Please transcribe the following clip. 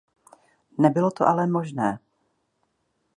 Nebylo to ale možné.